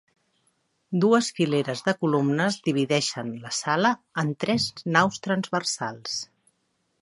Dues fileres de columnes divideixen la sala en tres naus transversals.